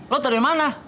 lo dari mana